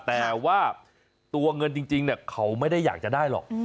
แต่ว่าตัวเงินจริงเขาไม่ได้อยากจะได้หรอก